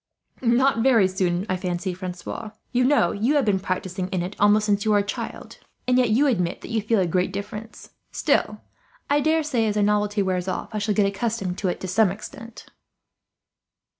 "Not very soon, I fancy, Francois. You know, you have been practising in it almost since you were a child; and yet you admit that you feel a great difference. Still, I daresay as the novelty wears off I shall get accustomed to it, to some extent."